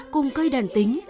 cùng cây đàn tính